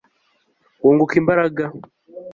wunguka imbaraga